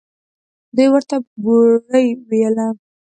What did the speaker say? دوى ورته بوړۍ ويله.